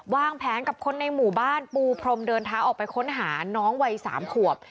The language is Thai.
วางแผนกับคนในหมู่บ้านปูพรมเดินเท้าออกไปค้นหาน้องวัย๓ขวบ